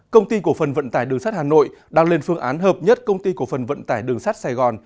công ty cổ phần vận tải đường sắt hà nội đang lên phương án hợp nhất công ty cổ phần vận tải đường sắt sài gòn